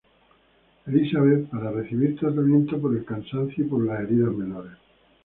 Elizabeth para recibir tratamiento por el cansancio y por heridas menores.